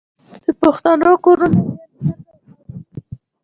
د پښتنو کورونه ډیر کلک او خاورین وي.